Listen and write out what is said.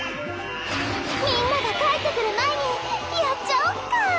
みんなが帰って来る前にやっちゃおっか！